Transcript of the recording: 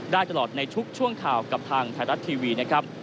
ได้ตลอดในทุกช่วงข่าวกับทางไทยรัฐทีวีนะครับ